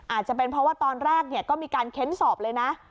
อาจจะเป็นเพราะว่าตอนแรกก็มีการเค้นสอบเลยนะ